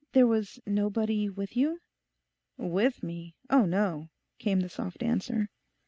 'There was nobody with you?' 'With me? Oh no,' came the soft answer.